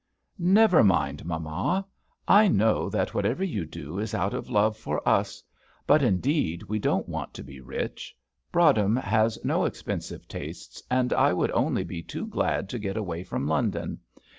"Never mind, mamma; I know that whatever you do is out of love for us; but indeed we don't want to be rich. Broadhem has no expensive tastes, and I would only be too glad to get away from London.